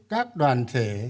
các đoàn thể